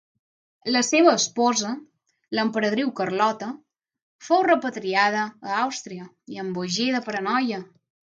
La seva esposa, l'emperadriu Carlota, fou repatriada a Àustria i embogí de paranoia.